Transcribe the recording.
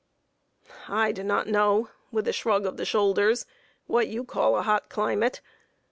"I do not know" (with a shrug of the shoulders) "what you call a hot climate.